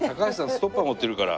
ストッパ持ってるから。